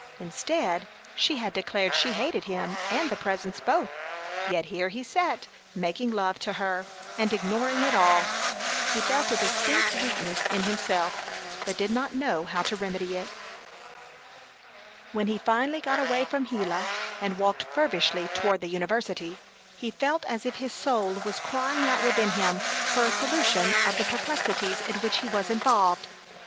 Instead she had declared she hated him and the Presence both; yet here he sat making love to her and ignoring it all! He felt a distinct weakness in himself, but did not know how to remedy it. When he finally got away from Gila and walked feverishly toward the university, he felt as if his soul was crying out within him for a solution of the perplexities in which he was involved.